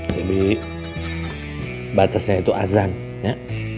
batasnya itu azan ya